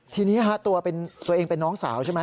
ทีนี้ตัวเองเป็นน้องสาวใช่ไหม